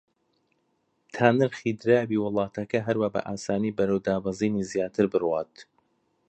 تا نرخی دراوی وڵاتەکە هەروا بە ئاسانی بەرەو دابەزینی زیاتر بڕوات